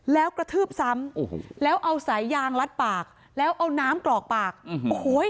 แล้วกระทืบซ้ำโอ้โหแล้วเอาสายยางลัดปากแล้วเอาน้ำกรอกปากโอ้โห